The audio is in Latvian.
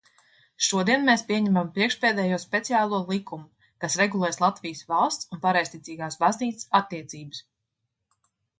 Šodien mēs pieņemam priekšpēdējo speciālo likumu, kas regulēs Latvijas valsts un Pareizticīgās baznīcas attiecības.